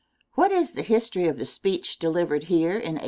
What is the history of the speech delivered here in 1876?